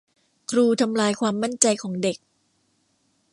ครูทำลายความมั่นใจของเด็ก